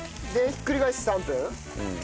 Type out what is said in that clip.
ひっくり返して３分。